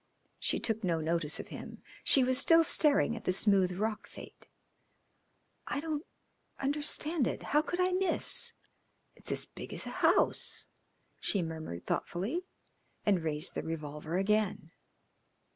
She took no notice of him. She was still staring at the smooth rock fate. "I don't understand it. How could I miss? It's as big as a house," she murmured thoughtfully, and raised the revolver again.